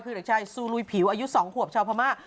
คือเด็กชายซูลุยผิวอายุ๒ขวบชาวพม่า